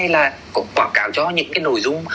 là quảng cáo cho những nội dung